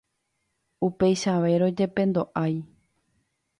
Upeichavérõ jepe ndo'ái.